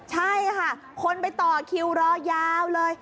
ใช่ค่ะคนไปต่อคิวรอยาวเลย